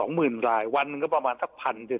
หมื่นรายวันหนึ่งก็ประมาณสักพันหนึ่ง